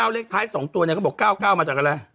เลขท้าย๒ตัวเนี่ยเขาบอก๙๙มาจากอะไร